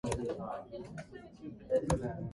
Santa Rosa de Osos Municipal Council.